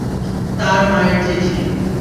তার মায়ের চিঠি।